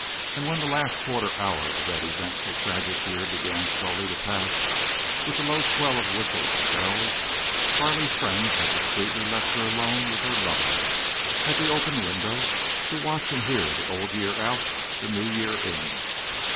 And when the last quarter hour of that eventful and tragic year began slowly to pass with the low swell of whistles and bells, Carley's friends had discreetly left her alone with her lover, at the open window, to watch and hear the old year out, the new year in.